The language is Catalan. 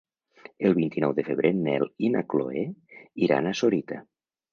El vint-i-nou de febrer en Nel i na Chloé iran a Sorita.